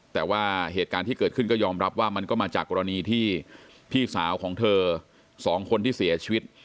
แต่ว่าเหตุการณ์ที่เกิดขึ้นก็ยอมรับว่ามันก็มาจากกรณีที่พี่สาวของเธอสองคนที่เสียชีวิต